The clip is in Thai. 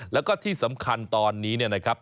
แล้วก็ที่สำคัญตอนนี้เนี่ยนะครับ